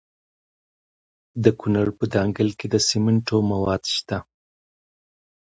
د کونړ په دانګام کې د سمنټو مواد شته.